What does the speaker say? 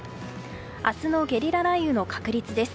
明日のゲリラ雷雨の確率です。